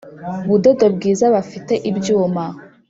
Budodo bwiza bafite ibyuma